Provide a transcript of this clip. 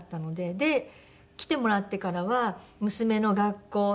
で来てもらってからは娘の学校。